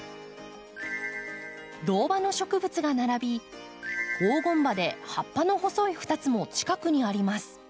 銅葉の植物が並び黄金葉で葉っぱの細い２つも近くにあります。